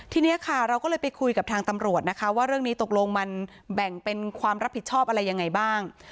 ทีนี้ค่ะเราก็เลยไปคุยกับทางตำรวจนะคะว่าเรื่องนี้ตกลงมันแบ่งเป็นความรับผิดชอบอะไรยังไงบ้าง